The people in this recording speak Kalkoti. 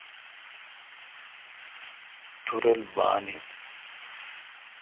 تورل بان این۔